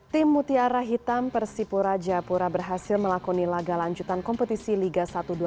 tim mutiara hitam persipura japura berhasil melakoni laga lanjutan kompetisi liga satu dua ribu dua puluh